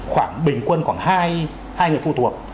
khoảng bình quân khoảng hai người phụ thuộc